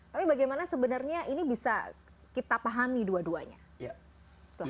tapi bagaimana sebenarnya ini bisa kita pahami dua duanya